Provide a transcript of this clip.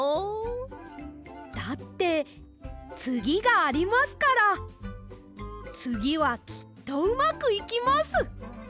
だってつぎがありますからつぎはきっとうまくいきます！